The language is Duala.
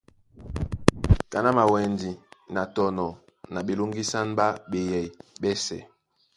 Kaná mawɛndi na tɔnɔ na ɓelóŋgísán ɓá beyɛy ɓɛ́sɛ̄.